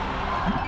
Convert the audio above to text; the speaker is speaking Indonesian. ya makasih ya